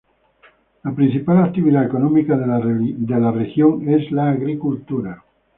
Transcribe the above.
La principal actividad económica de la región es la agricultura.